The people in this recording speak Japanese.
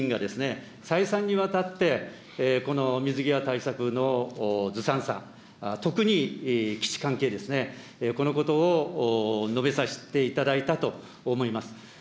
議員が、再三にわたって、この水際対策のずさんさ、特に基地関係ですね、このことを述べさせていただいたと思います。